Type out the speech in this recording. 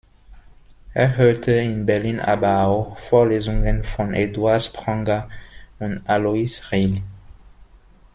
Er hörte in Berlin aber auch Vorlesungen von Eduard Spranger und Alois Riehl.